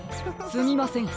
すみません